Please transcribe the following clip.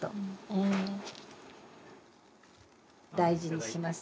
大事にします。